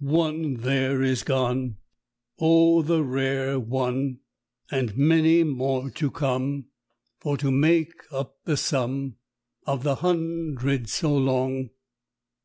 One there is gone. Oh, the rare one! And many more to come For to make up the sum Of the hundred so long."